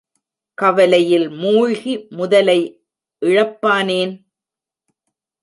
கவலையில் மூழ்கி முதலை இழப்பானேன்?